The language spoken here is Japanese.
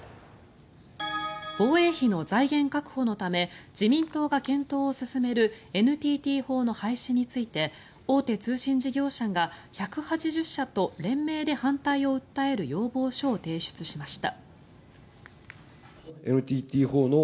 防衛費の財源確保のため自民党が検討を進めるＮＴＴ法の廃止について大手通信事業者が１８０者と連名で反対を訴える要望書を提出しました。